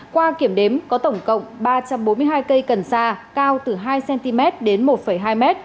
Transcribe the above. qua kiểm đếm có tổng cộng ba trăm bốn mươi hai cây cần sa cao từ hai cm đến một hai m